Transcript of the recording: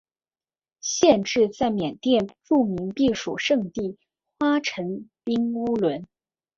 县治在缅甸著名避暑胜地花城彬乌伦。